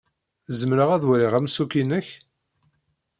Zemreɣ ad waliɣ amsukki-nnek?